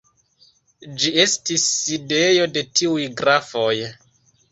Ĝi estis sidejo de tiuj grafoj.